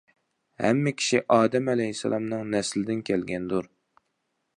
ھەممە كىشى ئادەم ئەلەيھىسسالامنىڭ نەسلىدىن كەلگەندۇر.